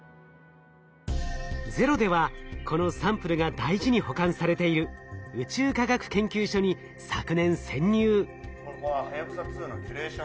「ＺＥＲＯ」ではこのサンプルが大事に保管されている宇宙科学研究所に昨年潜入。